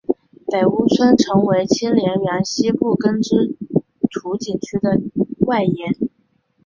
北坞村成为清漪园西部耕织图景区的外延。